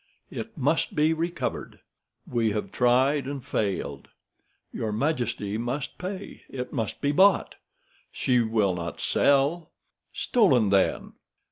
"It must be recovered." "We have tried and failed." "Your majesty must pay. It must be bought." "She will not sell." "Stolen, then."